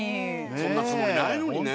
そんなつもりないのにね。